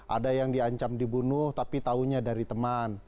ada yang diancam dibunuh tapi tahunya dari teman